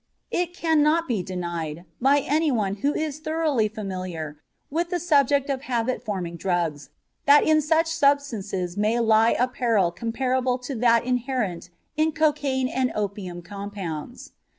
It cannot be denied by any one who is thoroughly familiar with the subject of habit forming drugs that in such substances may lie a peril comparable to that inherent in cocaine and opium compounds.